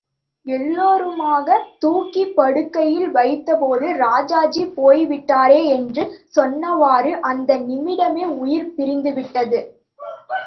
எல்லோருமாகத் தூக்கிப் படுக்கையில் வைத்தபோது ராஜாஜி போய்விட்டாரே என்று சொன்னவாறு அந்த நிமிடமே உயிர் பிரிந்துவிட்டது.